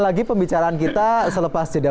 lagi pembicaraan kita selepas jeda